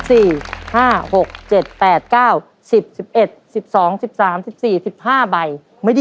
เร็วเร็ว